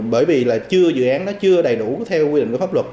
bởi vì là chưa dự án nó chưa đầy đủ theo quy định của pháp luật